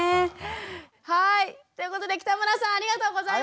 はいということで北村さんありがとうございました！